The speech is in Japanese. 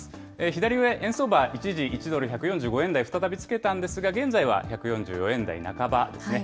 左上、円相場、一時１ドル１４５円台再びつけたんですが、現在は１４４円台半ばですね。